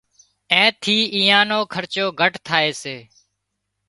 اين ٿي ايئان خرچو گهٽ ٿائي سي